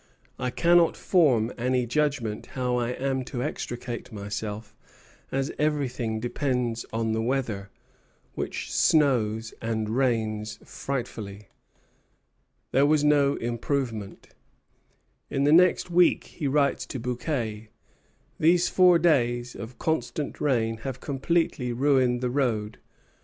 I cannot form any judgment how I am to extricate myself, as everything depends on the weather, which snows and rains frightfully." There was no improvement. In the next week he writes to Bouquet: "These four days of constant rain have completely ruined the road.